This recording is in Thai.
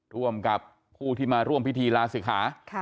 ร่วมกับผู้ที่มาร่วมพิธีลาศิกขา